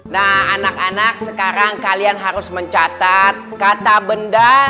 nah anak anak sekarang kalian harus mencatat kata benar